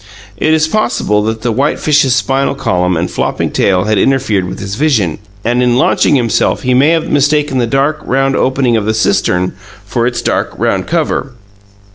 It is possible that the whitefish's spinal column and flopping tail had interfered with his vision, and in launching himself he may have mistaken the dark, round opening of the cistern for its dark, round cover.